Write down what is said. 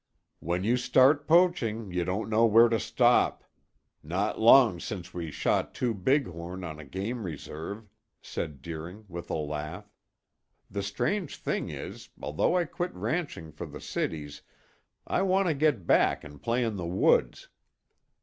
"When you start poaching, you don't know where to stop. Not long since we shot two big horn on a game reserve," said Deering with a laugh. "The strange thing is, although I quit ranching for the cities, I want to get back and play in the woods.